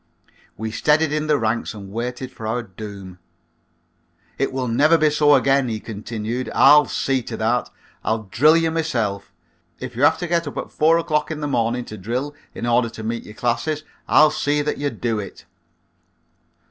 We steadied in the ranks and waited for our doom. "It will never be so again," he continued, "I'll see to that. I'll drill ye myself. If you have to get up at four o'clock in the morning to drill in order to meet your classes, I'll see that ye do it.